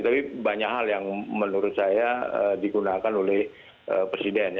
tapi banyak hal yang menurut saya digunakan oleh presiden